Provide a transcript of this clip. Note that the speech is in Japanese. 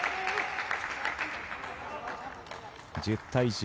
１０対１０